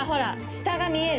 下が見える！